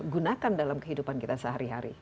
gunakan dalam kehidupan kita sehari hari